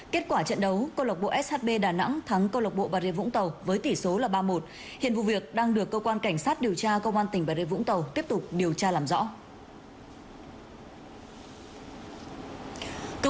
kết quả trận đấu công an tp shb đà nẵng thắng công an tp bà rê vũng tàu với tỷ số ba mươi một hiện vụ việc đang được công an tp bà rê vũng tàu tiếp tục điều tra làm rõ